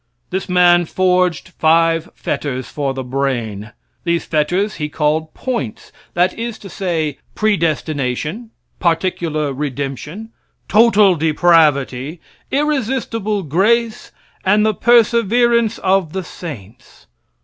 This man forged five fetters for the brain. These fetters he called points. That is to say, predestination, particular redemption, total depravity, irresistible grace, and the perseverance of the saints.